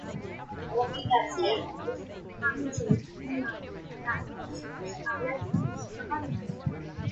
Sea otters, common seals, and larga seals are likewise abundant.